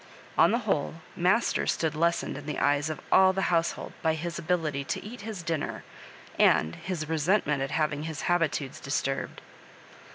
On the whole, master stood lessened in the eyes of all the household by his ability to eat his dinner, and his resentment at having his habitudes disturbed.